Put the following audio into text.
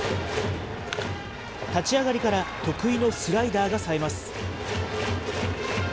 立ち上がりから得意のスライダーがさえます。